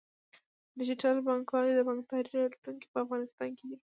ډیجیټل بانکوالي د بانکدارۍ راتلونکی په افغانستان کې دی۔